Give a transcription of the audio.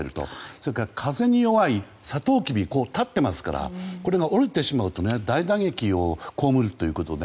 それから風に弱いサトウキビ立ってますからこれが折れてしまうと大打撃をこうむるということで。